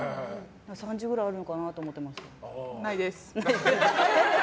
３０ぐらいあるのかなって思ってました。